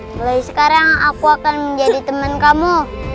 mulai sekarang aku akan menjadi teman kamu